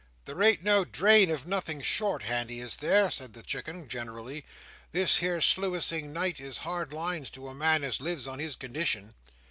"There ain't no drain of nothing short handy, is there?" said the Chicken, generally. "This here sluicing night is hard lines to a man as lives on his condition."